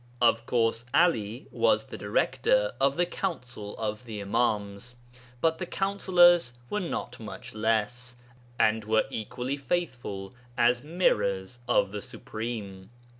Of course, 'Ali was the director of the council of the Imāms, but the councillors were not much less, and were equally faithful as mirrors of the Supreme.